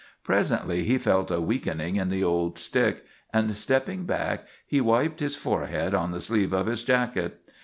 Presently he felt a weakening in the old stick, and, stepping back, he wiped his forehead on the sleeve of his jacket.